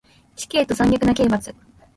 死刑と残虐な刑罰